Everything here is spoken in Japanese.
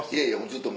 ずっと。